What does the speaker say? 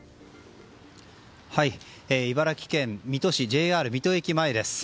茨城県水戸市ＪＲ水戸駅前です。